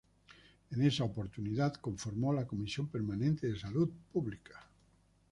En esta oportunidad conformó la comisión permanente de Salud Pública.